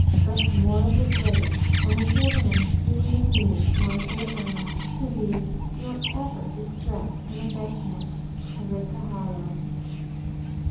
But more of this later, and until then, believe me, my dear Anna, to be Your ever distressed and affectionate CL. HARLOWE.